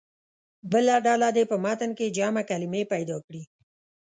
بله ډله دې په متن کې جمع کلمې پیدا کړي.